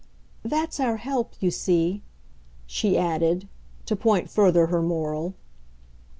"That's our help, you see," she added to point further her moral.